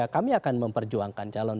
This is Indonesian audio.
kami akan memperjuangkan calon